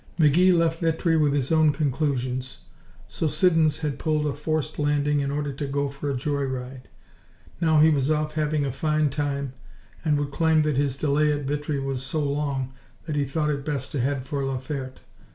McGee left Vitry with his own conclusions. So Siddons had pulled a forced landing in order to go for a joy ride. Now he was off having a fine time and would claim that his delay at Vitry was so long that he thought it best to head for La Ferte.